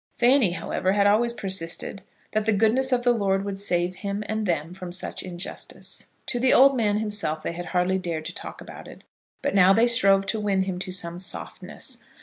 Fanny, however, had always persisted that the goodness of the Lord would save him and them from such injustice. To the old man himself they had hardly dared to talk about it, but now they strove to win him to some softness.